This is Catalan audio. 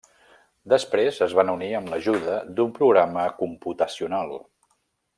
Després, es van unir amb l'ajuda d'un programa computacional.